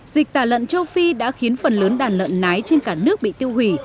dịch tả lợn châu phi đã khiến phần lớn đàn lợn nái trên cả nước bị tiêu hủy